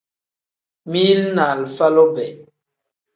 Mili ni alifa lube.